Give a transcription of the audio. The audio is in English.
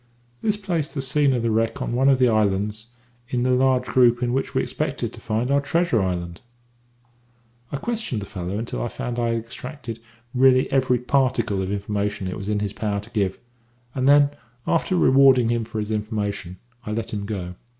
This placed the scene of the wreck on one of the islands in the large group in which we expected to find our treasure island. I questioned the fellow until I found I had extracted really every particle of information it was in his power to give, and then, after rewarding him for his information, I let him go.